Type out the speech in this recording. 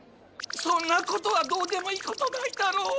そんなことはどうでもいいことないだろう。